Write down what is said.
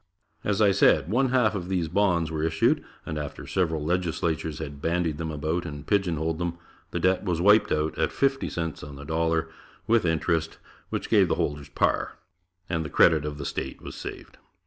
As I said, one half of these bonds were issued and after several legislatures had bandied them about and pigeonholed them, the debt was wiped out at fifty cents on the dollar with interest, which gave the holders par, and the credit of the state was saved.